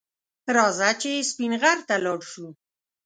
رځه چې سپین غر ته لاړ شو